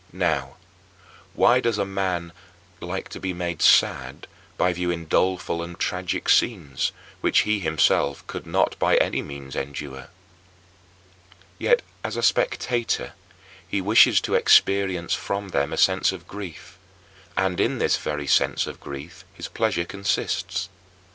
Now, why does a man like to be made sad by viewing doleful and tragic scenes, which he himself could not by any means endure? Yet, as a spectator, he wishes to experience from them a sense of grief, and in this very sense of grief his pleasure consists.